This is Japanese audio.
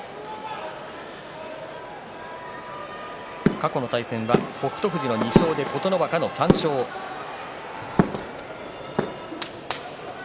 過去の対戦は北勝富士の２勝琴ノ若の３勝です。